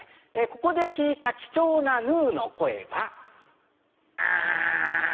ここで聴いた貴重なヌーの声が。